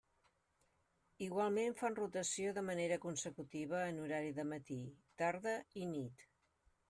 Igualment fan rotació de manera consecutiva en horari de matí, tarda i nit.